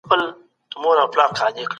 دولت به تر هغه وخته نوي تګلاري جوړي کړي وي.